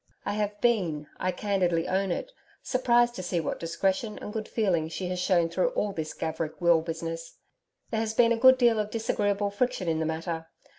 I have been, I candidly own it, surprised to see what discretion and good feeling she has shown through all this Gaverick will business. There has been a good deal of disagreeable friction in the matter.